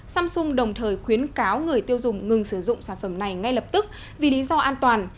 samsung đồng thời khuyến cáo người tiêu dùng ngừng sử dụng sản phẩm này ngay lập tức vì lý do an toàn